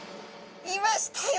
いましたよ！